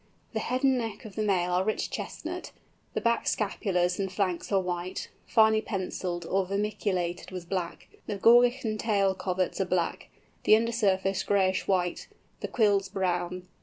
The head and neck of the male are rich chestnut; the back scapulars and flanks are white, finely pencilled or vermiculated with black; the gorget and tail coverts are black; the under surface grayish white; the quills brown.